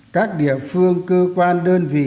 các địa phương cơ quan đơn vị